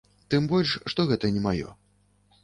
Тым больш, што гэта не маё.